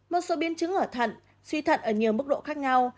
một số biến chứng ở thận suy thận ở nhiều mức độ khác nhau